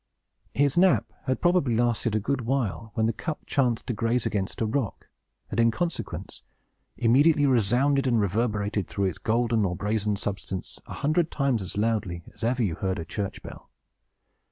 His nap had probably lasted a good while, when the cup chanced to graze against a rock, and, in consequence, immediately resounded and reverberated through its golden or brazen substance, a hundred times as loudly as ever you heard a church bell.